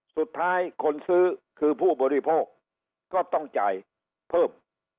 สุดท้ายคนซื้อคือผู้บริโภคก็ต้องจ่ายเพิ่ม